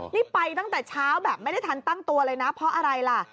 นี่ไปตั้งแต่เช้าแบบไม่ได้ทันตั้งตัวเลยนะเพราะอะไรล่ะ